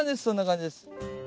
そんな感じです。